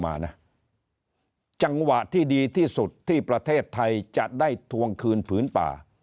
มานะจังหวะที่ดีที่สุดที่ประเทศไทยจะได้ทวงคืนผืนป่า